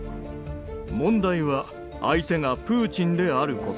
問題は相手がプーチンであること。